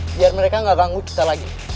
biar mereka nggak ganggu kita lagi